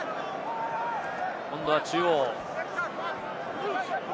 今度は中央。